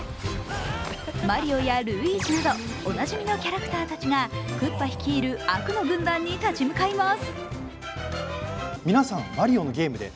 マリオやルイージなどおなじみのキャラクターたちがクッパ率いる悪の軍団に立ち向かいます。